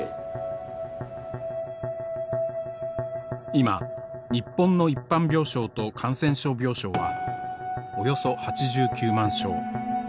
今日本の一般病床と感染症病床はおよそ８９万床。